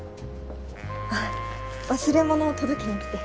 あっ忘れ物を届けにきて。